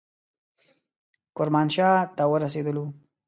کرمانشاه ته ورسېدلو.